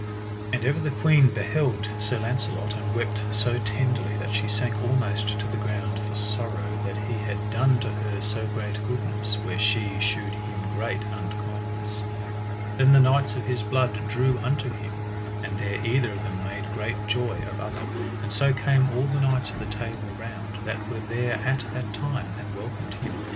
And ever the queen beheld Sir Launcelot, and wept so tenderly that she sank almost to the ground for sorrow that he had done to her so great goodness where she shewed him great unkindness. Then the knights of his blood drew unto him, and there either of them made great joy of other. And so came all the knights of the Table Round that were there at that time, and welcomed him.